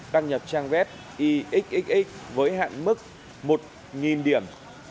đăng nhập trang web ixx với hạn mức một điểm